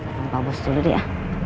bapak bus dulu ya